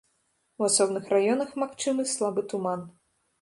У асобных раёнах магчымы слабы туман.